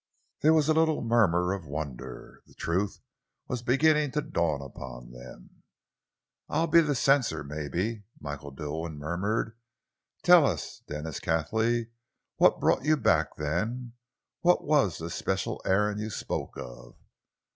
There was a little murmur of wonder. The truth was beginning to dawn upon them. "It'll be the censor, maybe," Michael Dilwyn murmured. "Tell us, Denis Cathley, what brought you back, then? What was this special errand you spoke of?"